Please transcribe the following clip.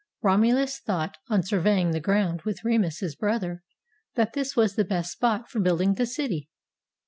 Romulus thought, on surveying the ground with Remus his brother, that this was the best spot for building the city.